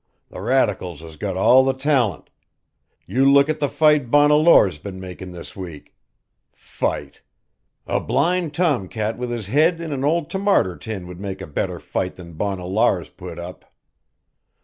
The Radicals has got all the tallant you look at the fight Bonna Lor's been makin' this week. Fight! A blind Tom cat with his head in an old t'marter tin would make a better fight than Bonna Lor's put up.